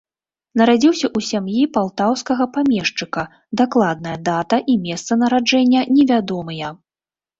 Нарадзіўся ў сям'і палтаўскага памешчыка, дакладная дата і месца нараджэння невядомыя.